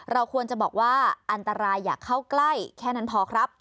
เราควรจะบอกว่าอันตรายอยากเข้าใกล้แค่นั้นพอครับ